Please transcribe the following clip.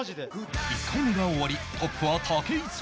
１回目が終わりトップは武井壮